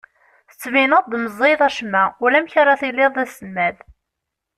Tettbineḍ-d meẓẓiyeḍ acemma, ulamek ara tiliḍ d aselmad.